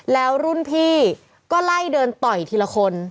แล้วรุ่นพี่ก็ไล่เดินต่อยทีละคน